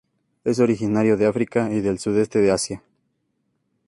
Es originario de África y del sudeste de Asia.